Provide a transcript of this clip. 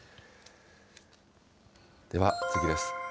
では次です。